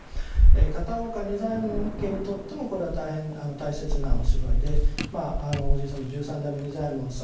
片岡仁左衛門家にとってもこれは大変大切なお芝居でおじい様の十三代目仁左衛門さん